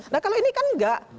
nah kalau ini kan enggak